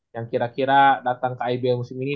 yang kira kira datang ke ibl musim ini